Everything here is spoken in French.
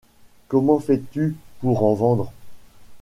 Comment fais-tu pour en vendre ?